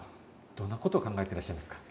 どんなことを考えてらっしゃいますか？